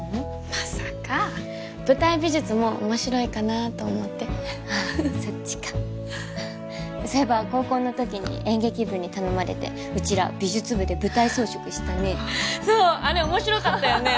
まさか舞台美術も面白いかなと思ってそっちかそういえば高校の時に演劇部に頼まれてうちら美術部で舞台装飾したねそうあれ面白かったよね